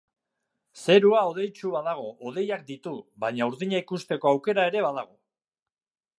Zerua hodeitsu badago, hodeiak ditu, baina urdina ikusteko aukera ere badago.